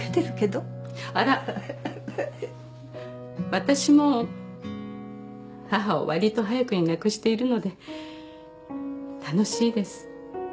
私も母を割と早くに亡くしているので楽しいです